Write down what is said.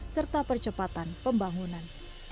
serta percepatan pembangunan